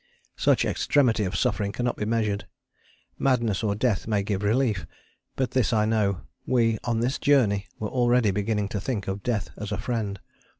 Such extremity of suffering cannot be measured: madness or death may give relief. But this I know: we on this journey were already beginning to think of death as a friend.